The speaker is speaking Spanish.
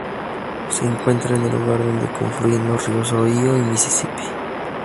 Se encuentra en el lugar donde confluyen los ríos Ohio y Misisipi.